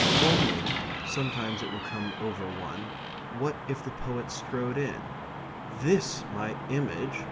Only sometimes it will come over one what if the poet strode in? "THIS my image?"